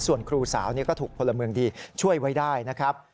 ส่วนครูสาวก็ถูกพลเมืองดีช่วยไว้ได้นะครับ